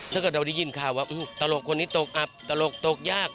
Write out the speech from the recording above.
ถ้าก็ด้วยลืมคราวว่าตลกคนนี้ตกอับตลกตกยาก